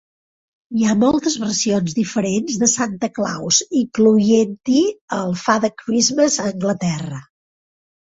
Hi ha moltes versions diferents de Santa Claus, incloent-hi el Fathe Christmas a Anglaterra.